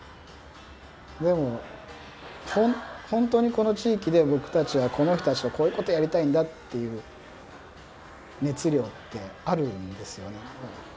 でもホントにこの地域で僕たちはこの人たちとこういうことやりたいんだという熱量ってあるんですよね。